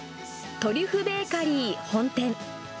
トリュフベーカリー本店。